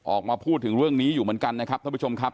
ออกมาพูดถึงเรื่องนี้อยู่เหมือนกัน